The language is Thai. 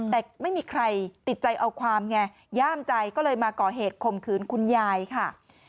แต่ไม่มีใครติดใจเอาความไงย่ามใจก็เลยมาก่อเหตุคมขืนคุณยายค่ะ